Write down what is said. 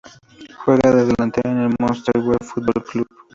Juega de delantero en el Motherwell Football Club.